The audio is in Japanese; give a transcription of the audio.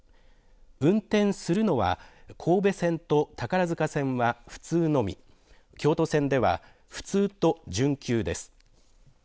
運転するのは神戸線と宝塚線は普通のみ、京都線では普通と準急です。